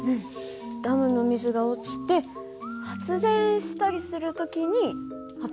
ダムの水が落ちて発電したりする時に働くんだよね。